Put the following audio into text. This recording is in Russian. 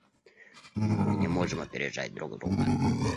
Мы не можем опережать друг друга.